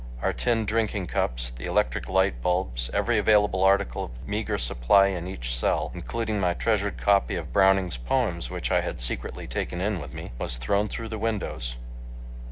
Our tin drinking cups, the electric light bulbs, every available article of the meagre supply in each cell, including my treasured copy of Browning's poems which I had secretly taken in with me, was thrown through the windows.